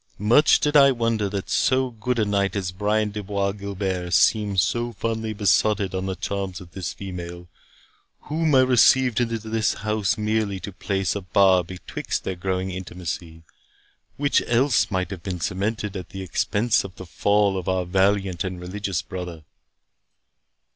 Much did I wonder that so good a knight as Brian de Bois Guilbert seemed so fondly besotted on the charms of this female, whom I received into this house merely to place a bar betwixt their growing intimacy, which else might have been cemented at the expense of the fall of our valiant and religious brother."